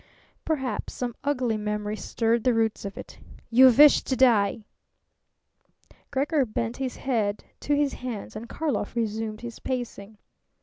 Perhaps some ugly memory stirred the roots of it. "You wish to die!" Gregor bent his head to his hands and Karlov resumed his pacing.